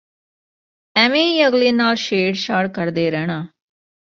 ਐਵੇਂ ਹੀ ਅਗਲੇ ਨਾਲ ਛੇੜ ਛਾੜ ਕਰਦੇ ਰਹਿਣਾ